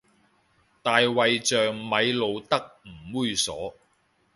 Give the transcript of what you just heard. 大衛像咪露得唔猥褻